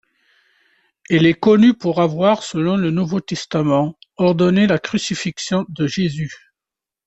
Il est connu pour avoir, selon le Nouveau Testament, ordonné la crucifixion de Jésus.